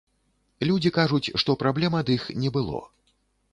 Людзі кажуць, што праблем ад іх не было.